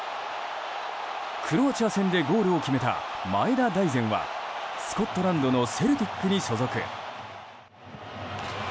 クロアチア戦でゴールを決めた前田大然はスコットランドのセルティックに所属。